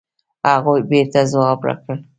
هغوی بېرته ځواب راکړ.